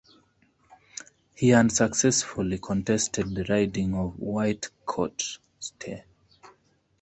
He unsuccessfully contested the riding of Whitecourt-Ste.